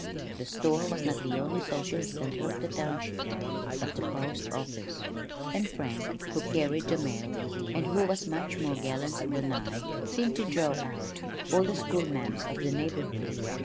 The store was not only the social center of the township but the postoffice, and Frank, who carried the mail (and who was much more gallant than I) seemed to draw out all the school ma'ams of the neighborhood.